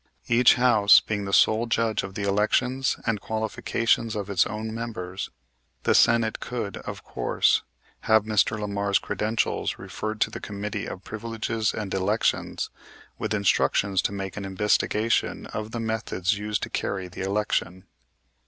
Each House being the sole judge of the elections and qualifications of its own members, the Senate could, of course, have Mr. Lamar's credentials referred to the Committee of Privileges and Elections, with instructions to make an investigation of the methods used to carry the election.